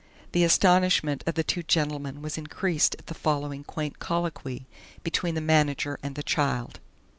The astonishment of the two gentlemen was increased at the following quaint colloquy between the manager and the child.